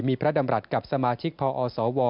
มีพระดำรัฐกับสมาชิกพอสว